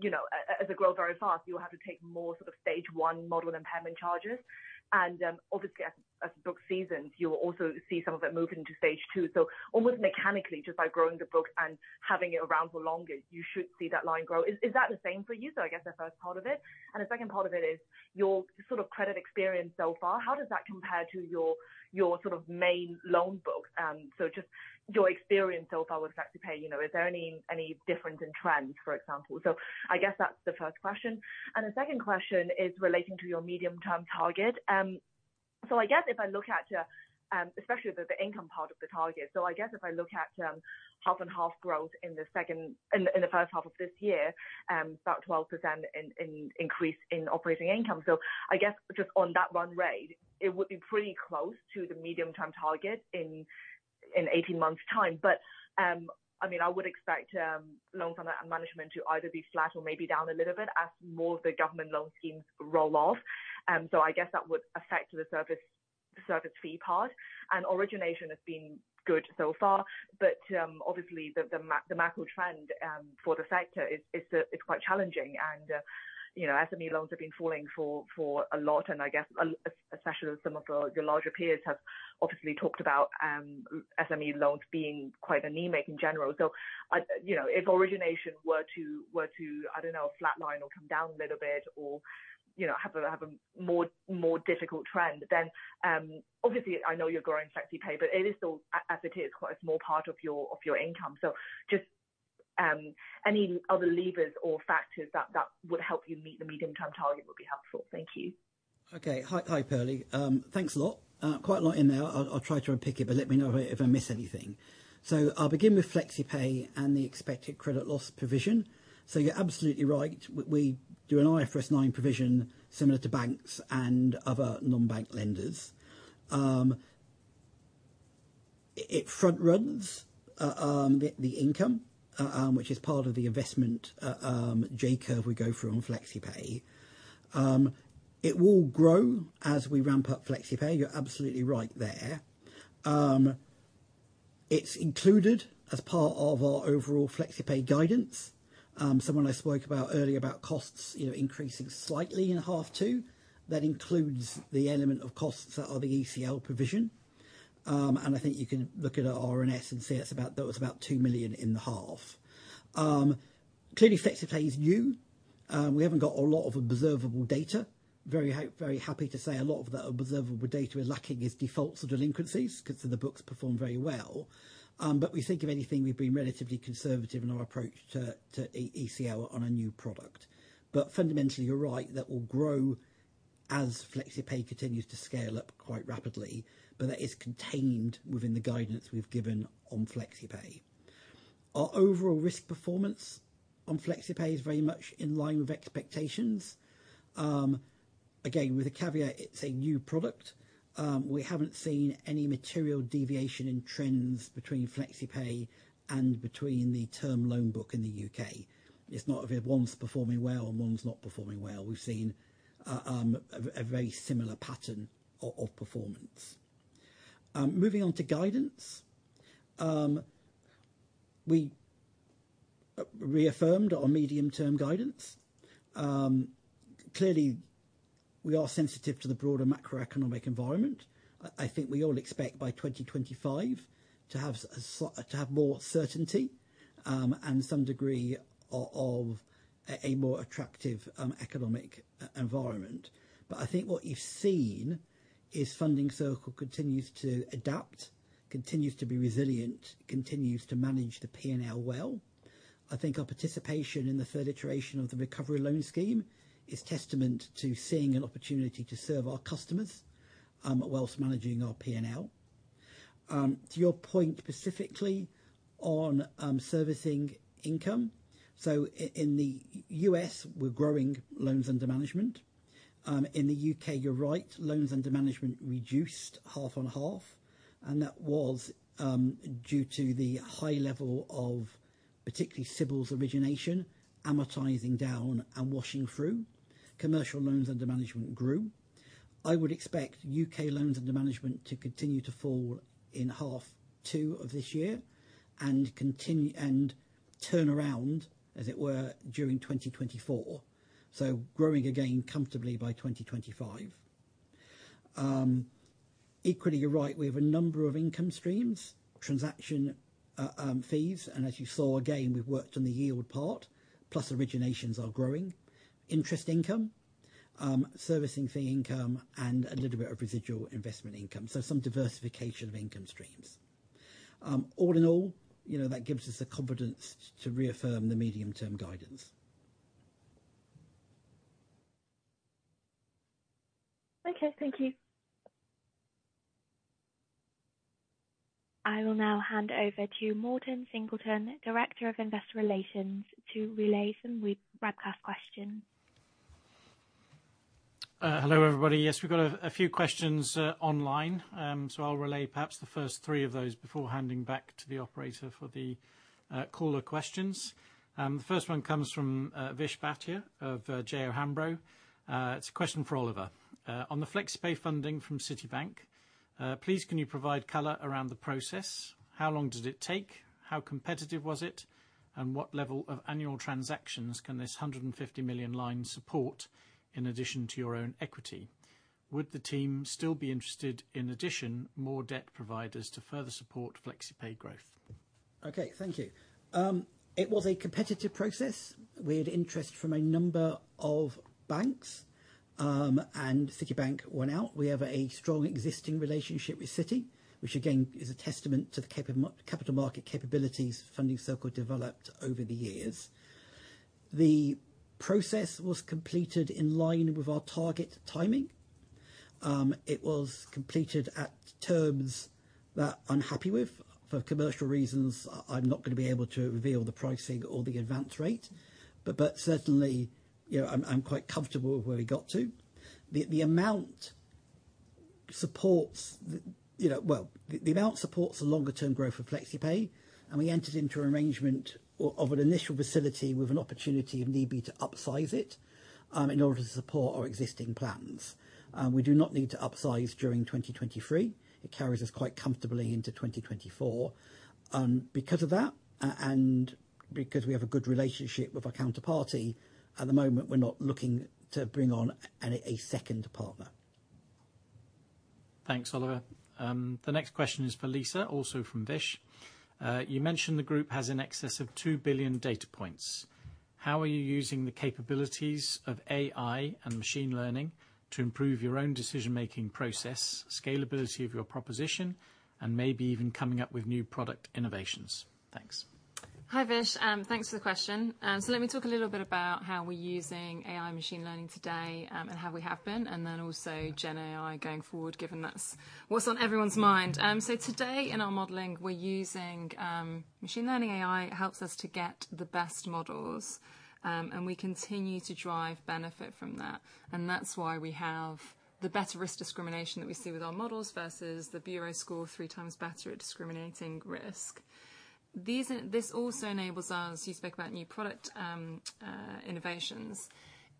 you know, as it grows very fast, you'll have to take more sort of stage one model impairment charges. And obviously, as the book seasons, you'll also see some of it moving to stage two. So almost mechanically, just by growing the book and having it around for longer, you should see that line grow. Is that the same for you? So I guess the first part of it. And the second part of it is your sort of credit experience so far, how does that compare to your sort of main loan book? So just your experience so far with FlexiPay, you know, is there any difference in trends, for example? So I guess that's the first question. And the second question is relating to your medium-term target. So I guess if I look at your, especially the income part of the target. So I guess if I look at half and half growth in the first half of this year, about 12% increase in operating income. So I guess just on that one rate, it would be pretty close to the medium-term target in 18 months' time. But, I mean, I would expect, loans under management to either be flat or maybe down a little bit as more of the government loan schemes roll off. So I guess that would affect the service, the service fee part. And origination has been good so far, but, obviously, the macro trend, for the sector is, is quite challenging. And, you know, SME loans have been falling for a lot, and I guess, especially some of the, your larger peers have obviously talked about, SME loans being quite anemic in general. So I, you know, if origination were to, I don't know, flatline or come down a little bit or, you know, have a more difficult trend, then obviously, I know you're growing FlexiPay, but it is still, as it is, quite a small part of your income. So just any other levers or factors that would help you meet the medium-term target would be helpful. Thank you. Okay. Hi, hi, Perlie. Thanks a lot. Quite a lot in there. I'll, I'll try to unpick it, but let me know if I, if I miss anything. So I'll begin with FlexiPay and the expected credit loss provision. So you're absolutely right. We do an IFRS 9 provision similar to banks and other non-bank lenders. It front-runs the income, which is part of the investment J-curve we go through on FlexiPay. It will grow as we ramp up FlexiPay, you're absolutely right there. It's included as part of our overall FlexiPay guidance. So when I spoke about earlier about costs, you know, increasing slightly in H2, that includes the element of costs that are the ECL provision. And I think you can look at our RNS and see that was about 2 million in the half. Clearly, FlexiPay is new. We haven't got a lot of observable data. Very happy to say a lot of that observable data we're lacking is defaults or delinquencies, 'cause the books performed very well. But we think if anything, we've been relatively conservative in our approach to ECL on a new product. But fundamentally, you're right, that will grow as FlexiPay continues to scale up quite rapidly, but that is contained within the guidance we've given on FlexiPay. Our overall risk performance on FlexiPay is very much in line with expectations. Again, with a caveat, it's a new product. We haven't seen any material deviation in trends between FlexiPay and the term loan book in the U.K. It's not that if one's performing well and one's not performing well. We've seen a very similar pattern of performance. Moving on to guidance. We reaffirmed our medium-term guidance. Clearly, we are sensitive to the broader macroeconomic environment. I think we all expect by 2025 to have more certainty, and some degree of a more attractive economic environment. But I think what you've seen is Funding Circle continues to adapt, continues to be resilient, continues to manage the P&L well. I think our participation in the third iteration of the Recovery Loan Scheme is testament to seeing an opportunity to serve our customers, while managing our P&L. To your point, specifically on servicing income, so in the U.S., we're growing loans under management. In the U.K., you're right, loans under management reduced half on half, and that was due to the high level of particularly CBILS origination, amortizing down and washing through. Commercial loans under management grew. I would expect U.K. loans under management to continue to fall in half two of this year and continue and turn around, as it were, during 2024. So growing again comfortably by 2025. Equally, you're right, we have a number of income streams, transaction fees, and as you saw, again, we've worked on the yield part, plus originations are growing. Interest income, servicing fee income, and a little bit of residual investment income. So some diversification of income streams. All in all, you know, that gives us the confidence to reaffirm the medium-term guidance. Okay, thank you. I will now hand over to Morten Singleton, Director of Investor Relations, to relay some web broadcast questions. Hello, everybody. Yes, we've got a few questions online. So I'll relay perhaps the first three of those before handing back to the operator for the caller questions. The first one comes from Vishal Bhatia of J.O. Hambro. It's a question for Oliver: On the FlexiPay funding from Citibank, please can you provide color around the process? How long did it take? How competitive was it? And what level of annual transactions can this 150 million line support in addition to your own equity? Would the team still be interested, in addition, more debt providers to further support FlexiPay growth? Okay, thank you. It was a competitive process. We had interest from a number of banks, and Citibank won out. We have a strong existing relationship with Citi, which again, is a testament to the capital market capabilities Funding Circle developed over the years. The process was completed in line with our target timing. It was completed at terms that I'm happy with. For commercial reasons, I'm not gonna be able to reveal the pricing or the advance rate, but certainly, you know, I'm quite comfortable with where we got to. The amount supports, you know. Well, the amount supports the longer term growth for FlexiPay, and we entered into an arrangement of an initial facility with an opportunity, if need be, to upsize it, in order to support our existing plans. We do not need to upsize during 2023. It carries us quite comfortably into 2024. Because of that, and because we have a good relationship with our counterparty, at the moment, we're not looking to bring on a second partner. Thanks, Oliver. The next question is for Lisa, also from Vish. You mentioned the group has in excess of 2,000,000,000 data points. How are you using the capabilities of AI and machine learning to improve your own decision-making process, scalability of your proposition, and maybe even coming up with new product innovations? Thanks. Hi, Vish, thanks for the question. So let me talk a little bit about how we're using AI machine learning today, and how we have been, and then also GenAI going forward, given that's what's on everyone's mind. So today in our modeling, we're using machine learning AI. It helps us to get the best models, and we continue to drive benefit from that. And that's why we have the better risk discrimination that we see with our models versus the bureau score, 3x better at discriminating risk. This also enables us, you spoke about new product innovations.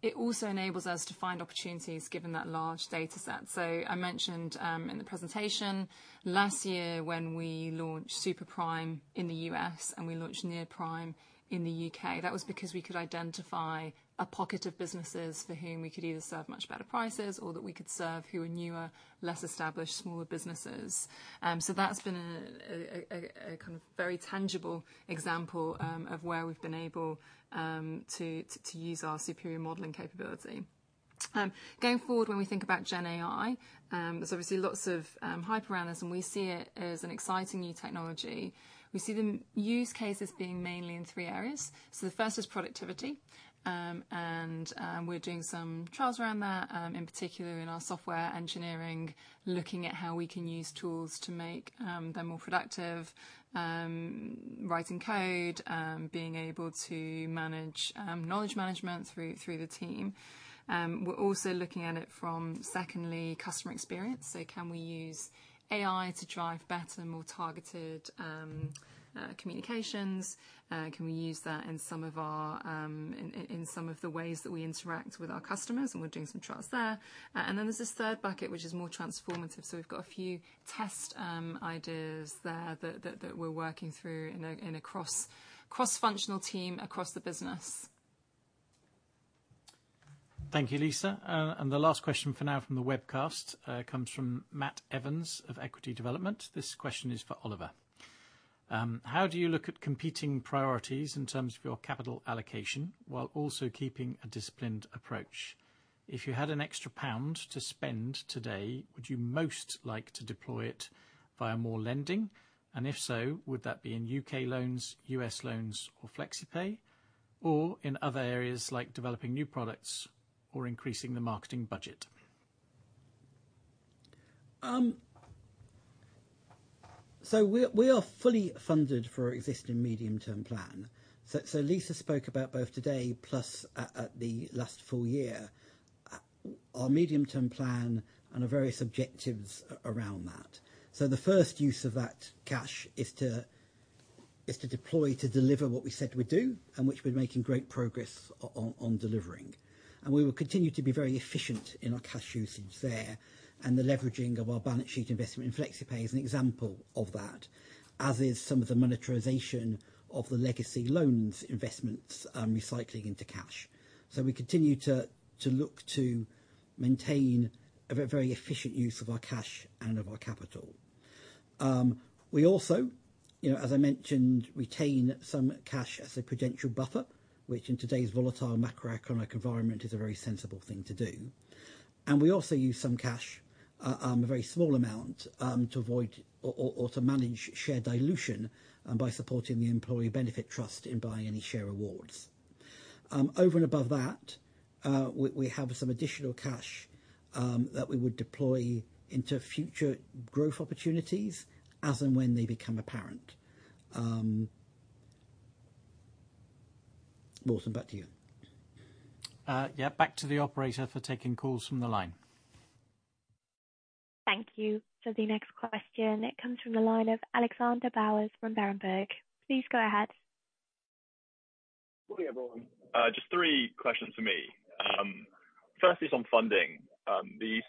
It also enables us to find opportunities, given that large data set. So I mentioned, in the presentation, last year, when we launched super prime in the U.S. and we launched near prime in the U.K., that was because we could identify a pocket of businesses for whom we could either serve much better prices or that we could serve who were newer, less established, smaller businesses. So that's been a kind of very tangible example, of where we've been able, to use our superior modeling capability. Going forward, when we think about GenAI, there's obviously lots of hype around this, and we see it as an exciting new technology. We see the use cases being mainly in three areas. So the first is productivity, and we're doing some trials around that, in particular in our software engineering, looking at how we can use tools to make them more productive, writing code, being able to manage knowledge management through the team. We're also looking at it from, secondly, customer experience. So can we use AI to drive better, more targeted communications? Can we use that in some of our, in some of the ways that we interact with our customers? And we're doing some trials there. And then there's this third bucket, which is more transformative. So we've got a few test ideas there that we're working through in a cross-functional team across the business. Thank you, Lisa. The last question for now from the webcast comes from Matt Evans of Equity Development. This question is for Oliver. How do you look at competing priorities in terms of your capital allocation, while also keeping a disciplined approach? If you had an extra pound to spend today, would you most like to deploy it via more lending? And if so, would that be in U.K. loans, U.S. loans, or FlexiPay, or in other areas like developing new products or increasing the marketing budget? So we are fully funded for our existing medium-term plan. So Lisa spoke about both today, plus at the last full year, our medium-term plan and our various objectives around that. So the first use of that cash is to deploy to deliver what we said we'd do, and which we're making great progress on delivering. And we will continue to be very efficient in our cash usage there, and the leveraging of our balance sheet investment in FlexiPay is an example of that, as is some of the monetization of the legacy loans investments, recycling into cash. So we continue to look to maintain a very efficient use of our cash and of our capital. We also, you know, as I mentioned, retain some cash as a prudential buffer, which in today's volatile macroeconomic environment, is a very sensible thing to do. And we also use some cash, a very small amount, to avoid or to manage share dilution, by supporting the employee benefit trust in buying any share awards. Over and above that, we have some additional cash, that we would deploy into future growth opportunities as and when they become apparent. Morten, back to you. Yeah, back to the operator for taking calls from the line. Thank you. For the next question, it comes from the line of Alexander Bowers from Berenberg. Please go ahead. Good morning, everyone. Just three questions for me. Firstly, on funding, the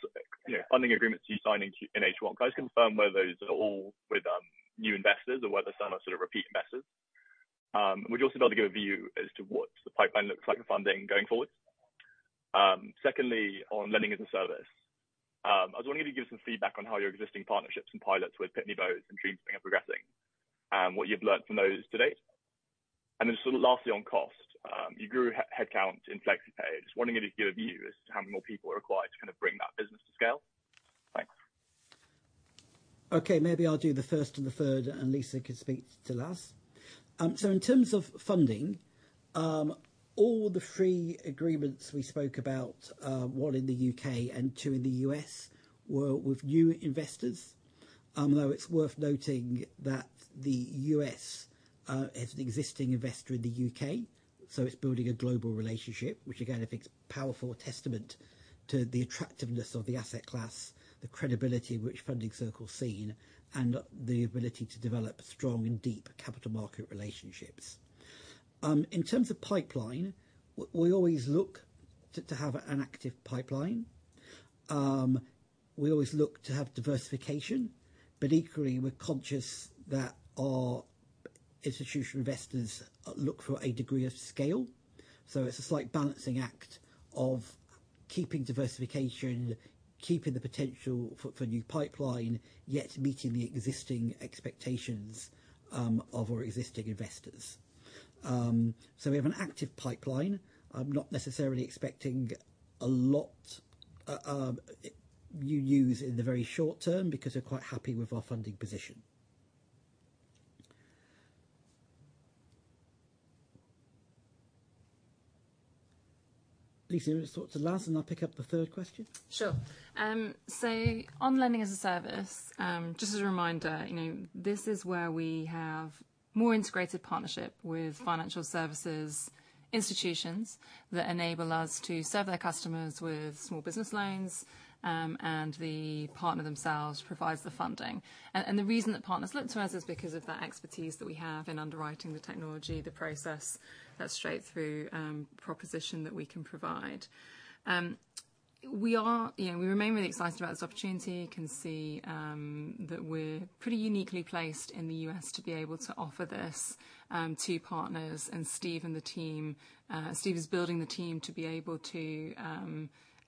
you know, funding agreements you signed in H1, can I confirm whether those are all with new investors or whether some are sort of repeat investors? Would you also be able to give a view as to what the pipeline looks like in funding going forward? Secondly, on lending as a service, I was wondering if you'd give some feedback on how your existing partnerships and pilots with Pitney Bowes and DreamSpring are progressing, what you've learned from those to date. And then sort of lastly, on cost. You grew headcount in FlexiPay. Just wondering if you could give a view as to how many more people are required to kind of bring that business to scale. Thanks. Okay. Maybe I'll do the first and the third, and Lisa can speak to last. So in terms of funding, all the three agreements we spoke about, one in the U.K. and two in the U.S., were with new investors. Though it's worth noting that the U.S. is an existing investor in the U.K., so it's building a global relationship, which again, I think is powerful testament to the attractiveness of the asset class, the credibility of which Funding Circle's seen, and the ability to develop strong and deep capital market relationships. In terms of pipeline, we always look to have an active pipeline. We always look to have diversification, but equally, we're conscious that our institutional investors look for a degree of scale. So it's a slight balancing act of keeping diversification, keeping the potential for new pipeline, yet meeting the existing expectations of our existing investors. So we have an active pipeline. I'm not necessarily expecting a lot of use in the very short term, because we're quite happy with our funding position. Lisa, you go last, and I'll pick up the third question. Sure. So on Lending as a Service, just as a reminder, you know, this is where we have more integrated partnership with financial services institutions that enable us to serve their customers with small business loans, and the partner themselves provides the funding. And the reason that partners look to us is because of that expertise that we have in underwriting the technology, the process, that straight through proposition that we can provide. We are... You know, we remain really excited about this opportunity. You can see that we're pretty uniquely placed in the U.S. to be able to offer this to partners, and Steve and the team. Steve is building the team to be able to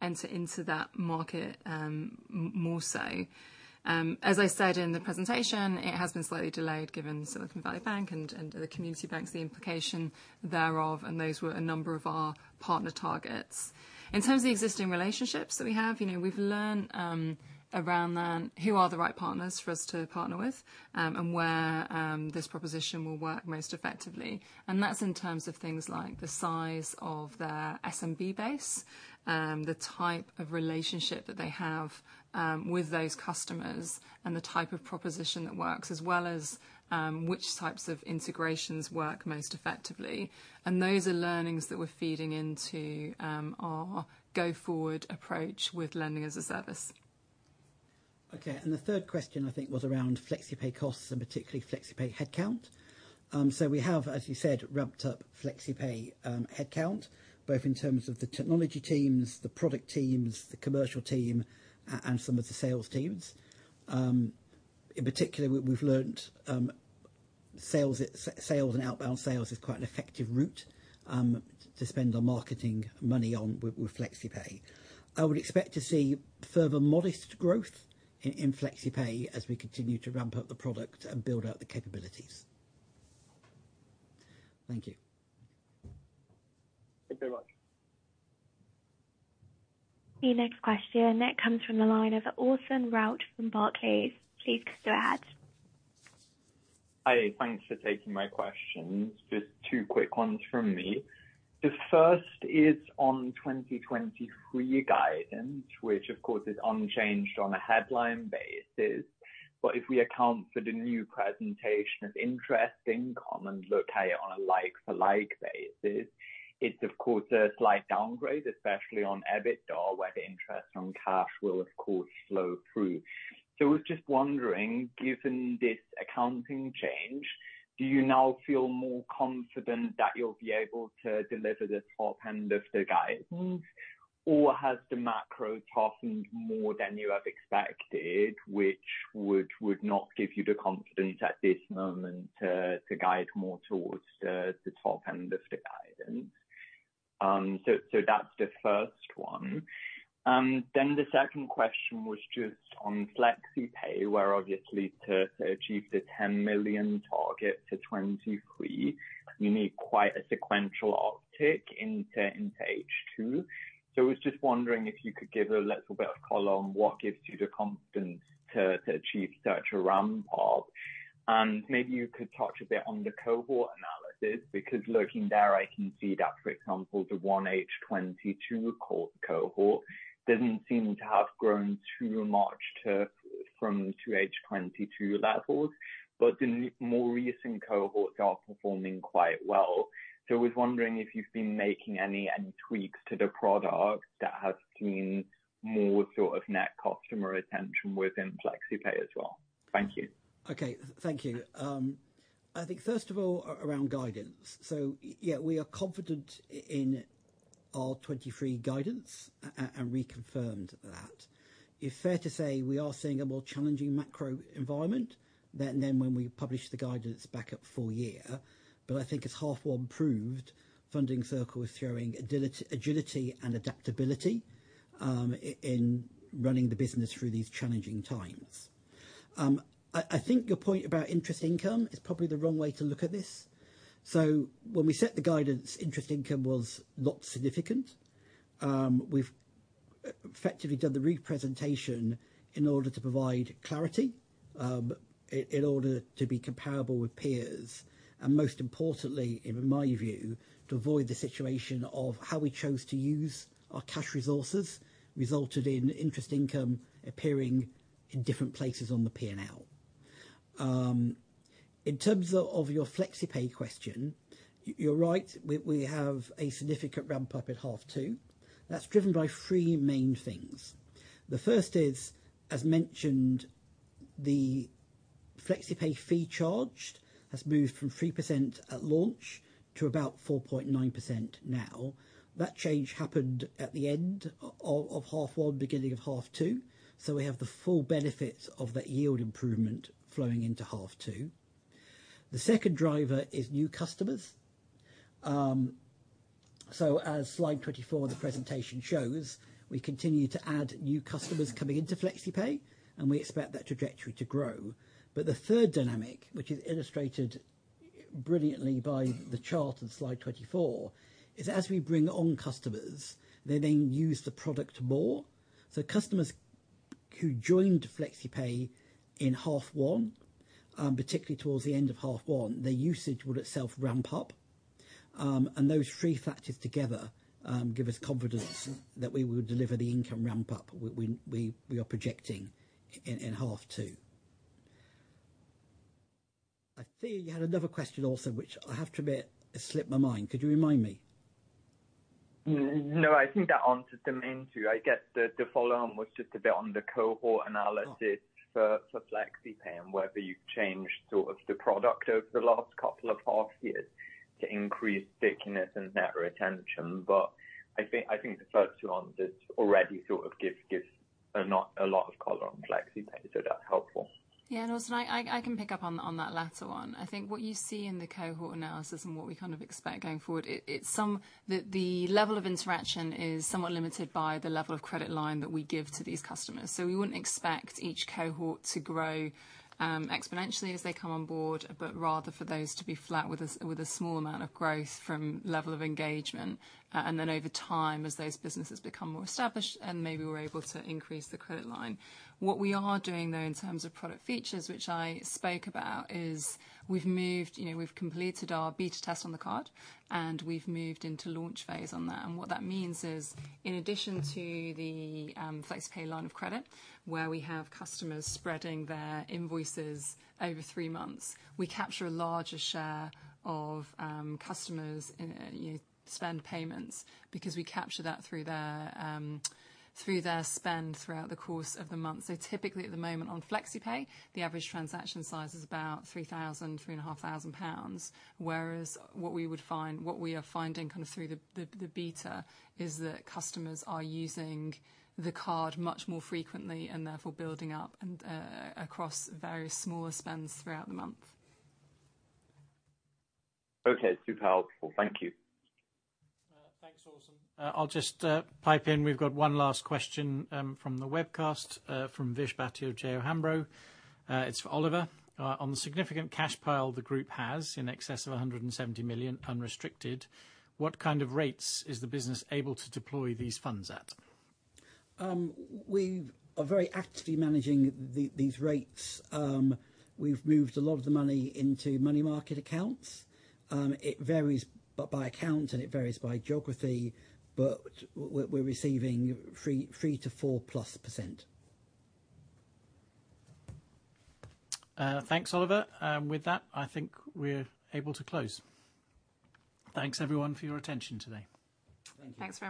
enter into that market, more so. As I said in the presentation, it has been slightly delayed, given Silicon Valley Bank and the community banks, the implication thereof, and those were a number of our partner targets. In terms of the existing relationships that we have, you know, we've learned around then, who are the right partners for us to partner with, and where this proposition will work most effectively. And that's in terms of things like the size of their SMB base, the type of relationship that they have with those customers, and the type of proposition that works, as well as which types of integrations work most effectively. And those are learnings that we're feeding into our go-forward approach with Lending as a Service. Okay. The third question, I think, was around FlexiPay costs and particularly FlexiPay headcount. So we have, as you said, ramped up FlexiPay headcount, both in terms of the technology teams, the product teams, the commercial team, and some of the sales teams. In particular, we’ve learned sales and outbound sales is quite an effective route to spend our marketing money on with FlexiPay. I would expect to see further modest growth in FlexiPay as we continue to ramp up the product and build out the capabilities. Thank you. Thank you very much. The next question, it comes from the line of Orson Rout from Barclays. Please go ahead. Hi, thanks for taking my questions. Just two quick ones from me. The first is on 2023 guidance, which of course is unchanged on a headline basis. But if we account for the new presentation of interest in common, locate it on a like-for-like basis, it's of course a slight downgrade, especially on EBITDA, where the interest on cash will of course flow through. So I was just wondering, given this accounting change, do you now feel more confident that you'll be able to deliver the top end of the guidance? Or has the macro toughened more than you have expected, which would not give you the confidence at this moment to guide more towards the top end of the guidance? So that's the first one. Then the second question was just on FlexiPay, where obviously to achieve the 10 million target to 2023, you need quite a sequential uptick in H2. So I was just wondering if you could give a little bit of color on what gives you the confidence to achieve such a ramp up. And maybe you could touch a bit on the cohort analysis, because looking there, I can see that, for example, the 1H 2022 cohort doesn't seem to have grown too much from the 2H 2022 levels... but the more recent cohorts are performing quite well. So I was wondering if you've been making any tweaks to the product that has seen more sort of net customer retention within FlexiPay as well? Thank you. Okay, thank you. I think first of all, around guidance. So yeah, we are confident in our 2023 guidance, and reconfirmed that. It's fair to say we are seeing a more challenging macro environment than when we published the guidance back at full year. But I think as H1 improved, Funding Circle is showing agility and adaptability in running the business through these challenging times. I think your point about interest income is probably the wrong way to look at this. So when we set the guidance, interest income was not significant. We've effectively done the representation in order to provide clarity in order to be comparable with peers, and most importantly, in my view, to avoid the situation of how we chose to use our cash resources resulted in interest income appearing in different places on the P&L. In terms of your FlexiPay question, you're right, we have a significant ramp up at half two. That's driven by three main things. The first is, as mentioned, the FlexiPay fee charged has moved from 3% at launch to about 4.9% now. That change happened at the end of half one, beginning of half two, so we have the full benefits of that yield improvement flowing into half two. The second driver is new customers. So as slide 24 of the presentation shows, we continue to add new customers coming into FlexiPay, and we expect that trajectory to grow. But the third dynamic, which is illustrated brilliantly by the chart on slide 24, is as we bring on customers, they then use the product more. So customers who joined FlexiPay in half one, particularly towards the end of half one, their usage would itself ramp up. And those three factors together give us confidence that we will deliver the income ramp up we are projecting in half two. I think you had another question also, which I have to admit, it slipped my mind. Could you remind me? No, I think that answered the main two. I guess the follow on was just a bit on the cohort analysis for FlexiPay, and whether you've changed sort of the product over the last couple of half years to increase stickiness and net retention. But I think the first two answers already sort of give a lot of color on FlexiPay, so that's helpful. Yeah, Orson, I can pick up on that latter one. I think what you see in the cohort analysis and what we kind of expect going forward, it's some... The level of interaction is somewhat limited by the level of credit line that we give to these customers. So we wouldn't expect each cohort to grow exponentially as they come on board, but rather for those to be flat with a small amount of growth from level of engagement. And then over time, as those businesses become more established, and maybe we're able to increase the credit line. What we are doing, though, in terms of product features, which I spoke about, is we've moved, you know, we've completed our beta test on the card, and we've moved into launch phase on that. What that means is, in addition to the FlexiPay line of credit, where we have customers spreading their invoices over three months, we capture a larger share of customers in, you know, spend payments, because we capture that through their through their spend throughout the course of the month. So typically, at the moment on FlexiPay, the average transaction size is about 3,000-3,500 pounds. Whereas, what we would find, what we are finding kind of through the beta, is that customers are using the card much more frequently and therefore building up and across various smaller spends throughout the month. Okay, super helpful. Thank you. Thanks, Nelson. I'll just pipe in. We've got one last question from the webcast from Vishal Bhatia of J.O. Hambro. It's for Oliver. On the significant cash pile the group has in excess of 170 million unrestricted, what kind of rates is the business able to deploy these funds at? We are very actively managing these rates. We've moved a lot of the money into money market accounts. It varies by account, and it varies by geography, but we're receiving 3%-4%+. Thanks, Oliver. With that, I think we're able to close. Thanks, everyone, for your attention today. Thank you. Thanks very much.